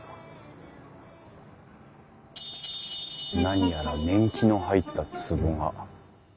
何やら年季の入ったつぼが。